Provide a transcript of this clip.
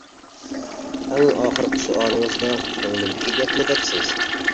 ئەڭ ئاخىرقى سوئالىڭىزدا كۆڭلۈمدىكى گەپنى دەپسىز.